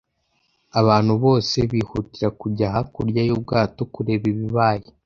Abantu bose bihutira kujya hakurya y'ubwato kureba ibibaye.